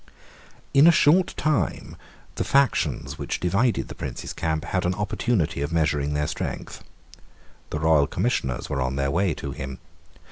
In a short time the factions which divided the Prince's camp had an opportunity of measuring their strength. The royal Commissioners were on their way to him.